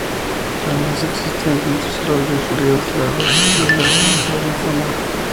Además, existen distintos arroyos, ríos, lagos y lagunas en la zona.